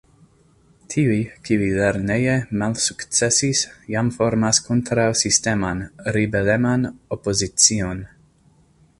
Tiuj, kiuj lerneje malsukcesis, jam formas kontraŭ-sisteman, ribeleman opozicion.